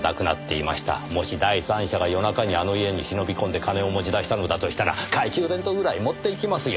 もし第三者が夜中にあの家に忍び込んで金を持ち出したのだとしたら懐中電灯ぐらい持っていきますよ。